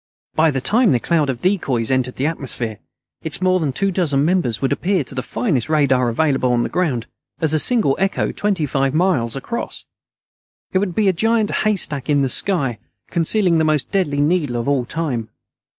By the time the cloud of decoys entered the atmosphere, its more than two dozen members would appear to the finest radar available on the ground as a single echo twenty five miles across. It would be a giant haystack in the sky, concealing the most deadly needle of all time.